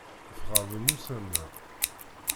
Tɣabem ussan-a.